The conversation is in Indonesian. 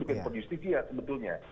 dokumen perjustisia sebetulnya